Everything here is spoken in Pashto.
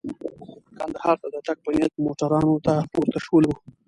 کندهار ته د تګ په نیت موټرانو ته پورته شولو.